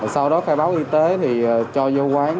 sau đó khai báo y tế thì cho vô quán